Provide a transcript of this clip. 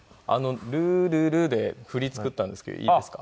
「ルールル」でふり作ったんですけどいいですか？